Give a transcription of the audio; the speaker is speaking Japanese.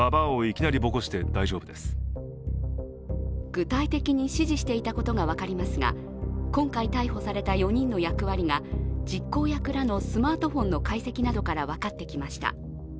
具体的に指示していたことが分かりますが、今回逮捕された４人の役割が実行役らのスマートフォンの解析などから分かってきました。